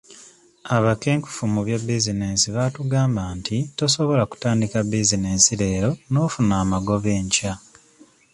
Abakenkufu mu bya bizinesi baatugamba nti tosobola kutandika bizinesi leero n'ofuna amagoba enkya.